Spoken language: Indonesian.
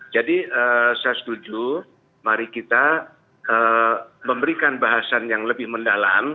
jadi saya setuju mari kita memberikan bahasan yang lebih mendalam